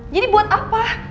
jadi buat apa